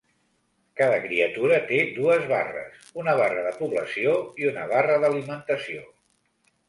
Cada criatura té dues barres: una barra de població i una barra d'alimentació.